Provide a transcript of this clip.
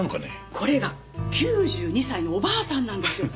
これが９２歳のおばあさんなんですよ。